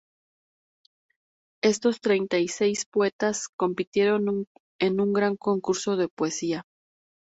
Estos treinta y seis poetas compitieron en un gran concurso de poesía.